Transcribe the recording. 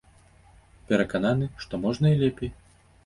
Перакананы, што можна і лепей.